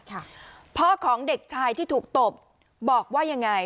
พ่อของเด็กชายที่ถูกตบบอกว่ายังไง